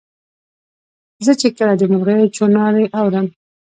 زه چي کله د مرغیو چوڼاری اورم